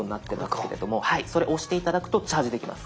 それ押して頂くとチャージできます。